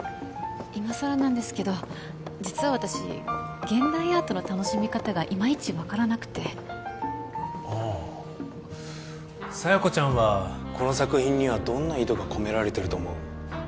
今さらなんですけど実は私現代アートの楽しみ方がいまいち分からなくてああ佐弥子ちゃんはこの作品にはどんな意図が込められてると思う？